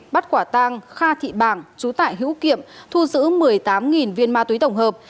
bắt quả tang kha thị bảng chú tải hữu kiệm thu giữ một mươi tám viên ma túy tổng hợp